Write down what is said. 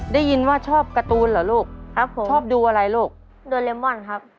ได้ยินว่าชอบการ์ตูนเหรอลูกครับผมชอบดูอะไรลูกโดเรมอนครับ